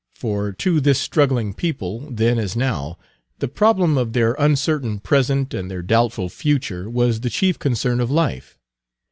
For to this struggling people, then as now, the problem of their uncertain present and their doubtful future was the chief concern of life.